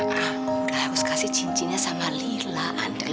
kamu harus kasih cincinnya sama lila andri